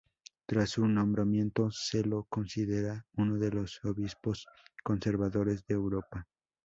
Tras su nombramiento, se lo considera uno de los obispos conservadores de Europa.